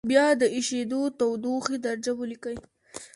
بیا د اېشېدو تودوخې درجه ولیکئ.